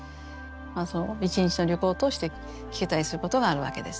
その一日の旅行を通して聞けたりすることがあるわけです。